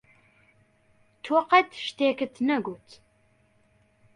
تۆ قەت شتێکت نەگوت.